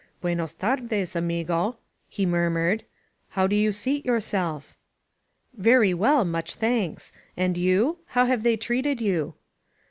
Bu>enos tardea y amigOy he murmured. "How do you seat yourself?" "Very well, much thanks. And you? How have they treated you?